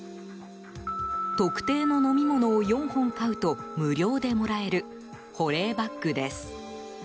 特定の飲み物を４本買うと無料でもらえる保冷バッグです。